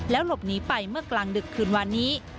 หลบหนีไปเมื่อกลางดึกคืนวันนี้